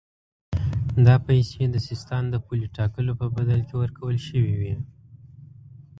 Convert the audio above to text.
دا پیسې د سیستان د پولې ټاکلو په بدل کې ورکول شوې وې.